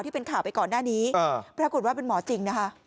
ที่เป็นข่าวไปก่อนหน้านี้ปรากฏว่าเป็นหมอจริงนะคะ